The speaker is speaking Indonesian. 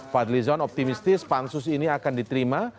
fadlizon optimistis pansus ini akan diterima